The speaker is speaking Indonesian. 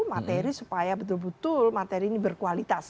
materi supaya betul betul materi ini berkualitas